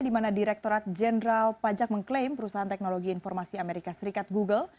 di mana direkturat jenderal pajak mengklaim perusahaan teknologi informasi amerika serikat google